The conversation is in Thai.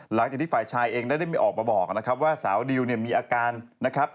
หลังจากที่ฝ่ายชายเองได้ไม่ออกมาบอกนะครับว่าสาวดิวเนี่ยมีอาการนะครับ